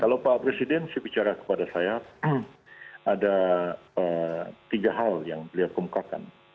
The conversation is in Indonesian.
kalau pak presiden bicara kepada saya ada tiga hal yang beliau kemukakan